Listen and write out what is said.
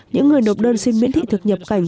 những người nộp đơn xin miễn thị thực nhập cảnh